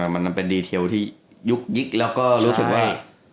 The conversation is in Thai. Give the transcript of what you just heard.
มันเป็นดีเทลที่ยุกยิกแล้วก็รู้สึกว่า